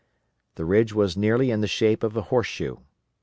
The ridge was nearly in the shape of a horseshoe.